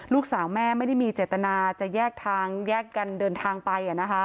ลูกสาวแม่ไม่ได้มีเจตนาจะแยกทางแยกกันเดินทางไป